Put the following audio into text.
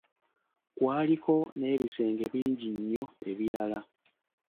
Kwaliko n'ebisenge bingi nnyo ebiralala.